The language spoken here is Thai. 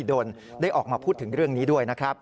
โดนได้ออกมาพูดถึงเรื่องนี้ด้วยนะครับ